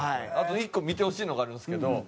あと１個見てほしいのがあるんですけど。